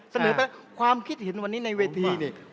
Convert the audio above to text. เสนอไปความคิดเห็นวันนี้ในเวทีนี่